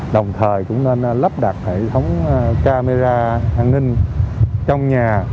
đồng thời cũng nên lắp đặt hệ thống camera an ninh trong nhà